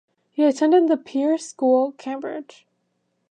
He attended The Perse School, Cambridge.